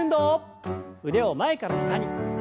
腕を前から下に。